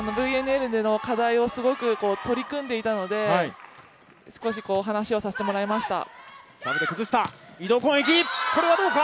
ＶＮＬでの課題にすごく取り組んでいたので、少し話をさせてもらいました。